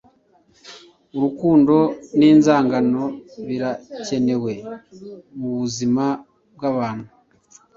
urukundo n'inzangano, birakenewe mubuzima bwabantu.